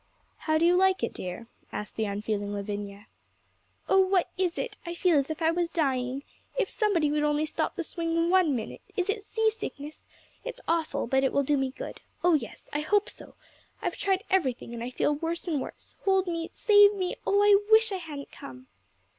'How do you like it, dear?' asked the unfeeling Lavinia. 'Oh, what is it? I feel as if I was dying. If somebody would only stop the swing one minute. Is it sea sickness? It's awful, but it will do me good. Oh, yes! I hope so. I've tried everything, and feel worse and worse. Hold me! save me! Oh, I wish I hadn't come!'